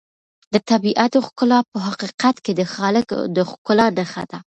د طبیعت ښکلا په حقیقت کې د خالق د ښکلا نښه ده.